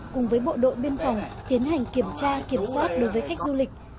cùng với bộ đội biên phòng tiến hành kiểm tra kiểm soát đối với khách du lịch